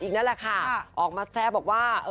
อีกนั่นแหละค่ะออกมาแชร์บอกว่า